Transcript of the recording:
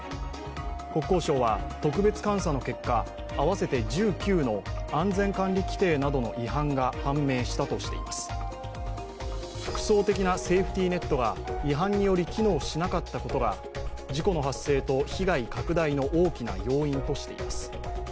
国交省は特別監査の結果合わせて１９の安全管理規程などの違反が判明したとして複層的なセーフティネットが違反により機能しなかったことが機能しなかったことが事故の発生と被害拡大が大きな要因としています。